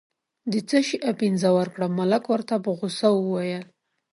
د څه شي اپین زه ورکړم، ملک ورته په غوسه وویل.